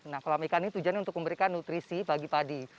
nah kolam ikan ini tujuannya untuk memberikan nutrisi bagi padi